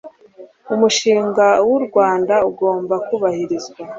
umushinga w u rwanda ugomba kubahirizwa